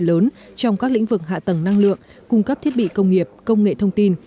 lớn trong các lĩnh vực hạ tầng năng lượng cung cấp thiết bị công nghiệp công nghệ thông tin